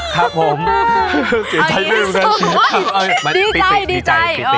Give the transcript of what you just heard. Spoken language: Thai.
ครับผมโอ้ยดีใจ